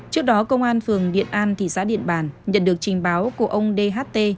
trước đó công an phường điện an thị xã điện bàn nhận được trình báo của ông dht